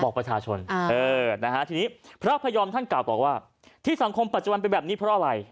ประชาชนทีนี้พระพยอมท่านกล่าวบอกว่าที่สังคมปัจจุบันเป็นแบบนี้เพราะอะไร